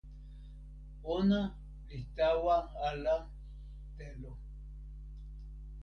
ona li tawa ala telo.